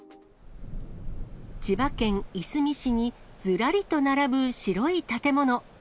千葉県いすみ市にずらりと並ぶ白い建物。